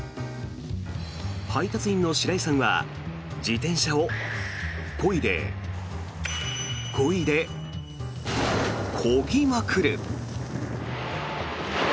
配達員の白井さんは自転車をこいで、こいで、こぎまくる。